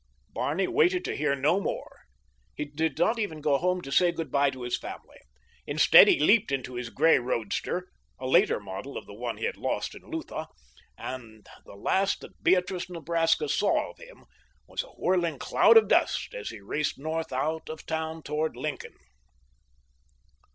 Barney waited to hear no more. He did not even go home to say good bye to his family. Instead he leaped into his gray roadster—a later model of the one he had lost in Lutha—and the last that Beatrice, Nebraska, saw of him was a whirling cloud of dust as he raced north out of town toward Lincoln.